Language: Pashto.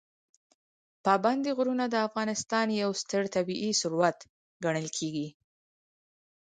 پابندي غرونه د افغانستان یو ستر طبعي ثروت ګڼل کېږي.